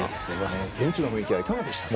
現地の雰囲気はいかがでしたか。